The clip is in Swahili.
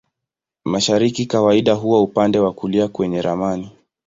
Mashariki kawaida huwa upande wa kulia kwenye ramani.